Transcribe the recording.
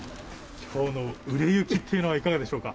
今日の売れ行きというのはいかがでしょうか？